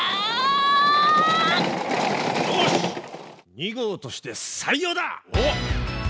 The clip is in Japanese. ２号として採用だ！